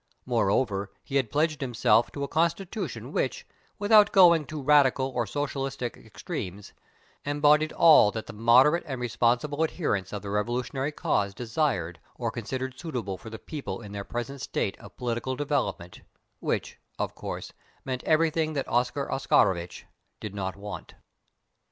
Moreover, he had pledged himself to a Constitution which, without going to Radical or Socialistic extremes, embodied all that the moderate and responsible adherents of the Revolutionary cause desired or considered suitable for the people in their present stage of political development which, of course, meant everything that Oscar Oscarovitch did not want.